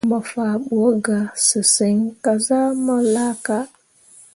Mo faa ɓu ga sesǝŋ kah zah mu laaka.